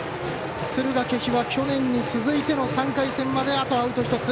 敦賀気比は去年に続いて３回戦まであとアウト１つ。